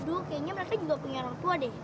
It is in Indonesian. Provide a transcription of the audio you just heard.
aduh kayaknya mereka juga punya orang tua deh